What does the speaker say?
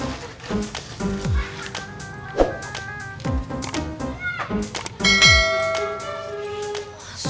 aduh mau nangis deh rasanya